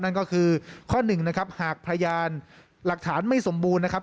นั่นก็คือข้อหนึ่งนะครับหากพยานหลักฐานไม่สมบูรณ์นะครับ